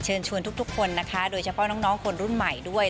ชวนทุกคนนะคะโดยเฉพาะน้องคนรุ่นใหม่ด้วย